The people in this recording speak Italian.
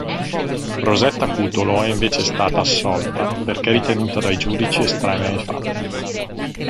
Rosetta Cutolo è invece stata assolta perché ritenuta dai giudici estranea ai fatti.